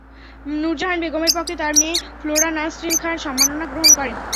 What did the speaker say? নূরজাহান বেগমের পক্ষে তাঁর মেয়ে ফ্লোরা নাসরীন খান সম্মাননা গ্রহণ করেন।